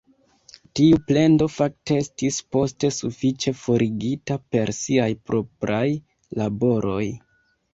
Tiu plendo fakte estis poste sufiĉe forigita per siaj propraj laboroj.